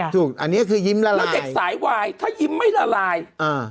ถูกอันนี้ก็คือยิ้มละลายแล้วเด็กสายวายถ้ายิ้มไม่ละลาย